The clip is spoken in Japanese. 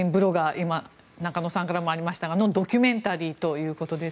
今、中野さんからもありましたがそのドキュメンタリーということです。